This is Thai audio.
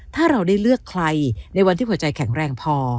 ถ้าเราได้เลือกใครในวันที่หัวใจแข็งแรงพอ